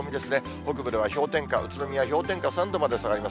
北部では氷点下、宇都宮氷点下３度まで下がります。